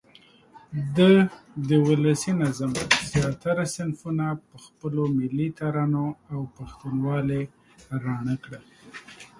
ده د ولسي نظم زیاتره صنفونه په خپلو ملي ترانو او پښتونوالې راڼه کړه.